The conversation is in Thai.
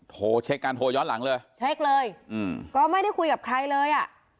โทรเช็คการโทรย้อนหลังเลยเช็คเลยอืมก็ไม่ได้คุยกับใครเลยอ่ะ